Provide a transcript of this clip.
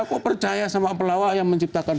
kok percaya sama pelawak yang menciptakan